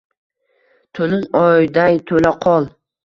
To’lin oyday to’la qol…